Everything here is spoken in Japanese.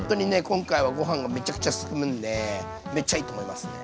今回はご飯がめちゃくちゃすすむんでめっちゃいいと思いますね。